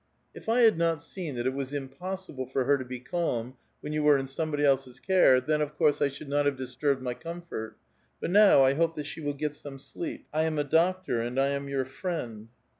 ''If I had not seen that it was impossible for hor to be calm when you were in somebody else's care, then, of course, I should not have disturbed my comfort. But now, I hope that she will get some sleep. I am a doctor, and I am your friend."